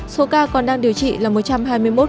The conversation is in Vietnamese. số ca còn đang điều trị là một trăm hai mươi một ca